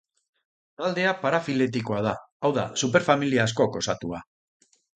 Taldea parafiletikoa da, hau da, superfamilia askok osatua.